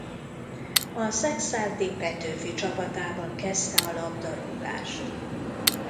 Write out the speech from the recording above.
A Szekszárdi Petőfi csapatában kezdte a labdarúgást.